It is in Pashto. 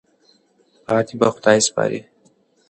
پاتې په خدای سپارئ.